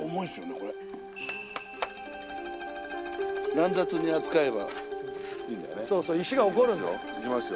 乱雑に扱えばいいんだよね。